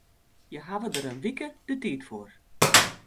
Hja hawwe dêr in wike de tiid foar.